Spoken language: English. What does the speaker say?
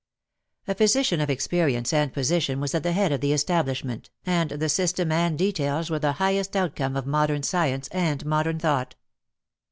A physician of experience and position was at the head of the establishment, and the system and details were the highest outcome of modern science and modem thought.